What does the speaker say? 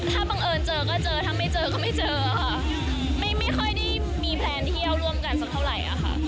ถ้าบังเอิญเจอก็เจอถ้าไม่เจอก็ไม่เจอค่ะไม่ค่อยได้มีแพลนเที่ยวร่วมกันสักเท่าไหร่ค่ะ